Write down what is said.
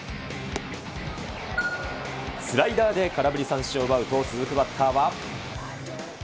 スライダーで空振り三振を奪うと、続くバッターは。